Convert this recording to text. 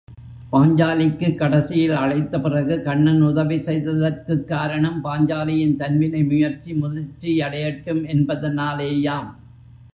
பாஞ்சாலிக்கு கடைசியில் அழைத்த பிறகு, கண்ணன் உதவி செய்ததற்குக் காரணம் பாஞ்சாலியின் தன்வினை முயற்சி முதிர்ச்சியடையட்டும் என்பதனாலேயாம்.